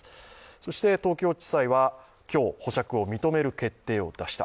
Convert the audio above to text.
そして東京地裁は今日、保釈を認める決定を出した。